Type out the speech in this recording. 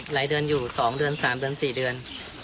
เดือนอยู่๒เดือน๓เดือน๔เดือน